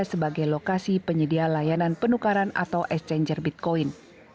sebagai lokasi penyedia layanan penukaran atau exchanger bitcoin